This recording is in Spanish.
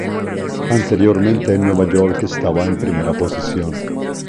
Anteriormente, Nueva York estaba en primera posición.